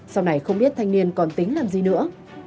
sau này không biết thanh niên còn tính làm gì nữa